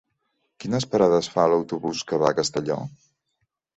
Quines parades fa l'autobús que va a Castelló?